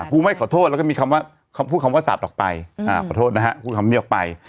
ครูไม่ขอโทษแล้วก็มีคำว่าพูดคำว่าสัตว์ออกไปขอโทษนะฮะพูดคำนี้ออกไป